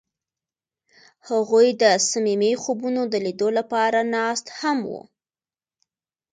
هغوی د صمیمي خوبونو د لیدلو لپاره ناست هم وو.